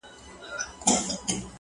نه دي نوم وي د لیلا نه دي لیلا وي،